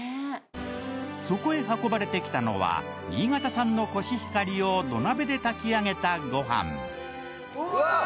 そこへ運ばれてきたのは新潟産のコシヒカリを土鍋で炊き上げたご飯うわ！